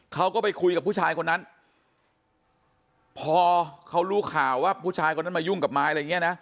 เขาก็ไปคุยกับผู้ชายคนนั้นพอเขารู้ข่าวว่าผู้ชายคนนั้นมายุ่งกับไม้อะไรอย่างเงี้ยนะ